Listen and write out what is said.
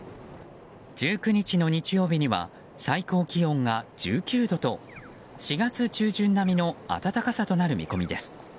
１９日の日曜日には最高気温が１９度と４月中旬並みの暖かさとなる見込みです。